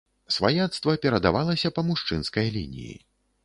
Сваяцтва перадавалася па мужчынскай лініі.